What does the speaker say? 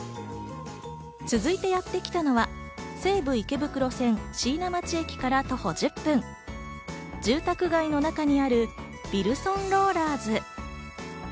続いてやってきたのは、西武池袋線・椎名町駅から徒歩１０分、住宅街の中にあるビルソンローラーズ。